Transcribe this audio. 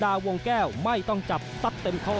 วงแก้วไม่ต้องจับซัดเต็มข้อ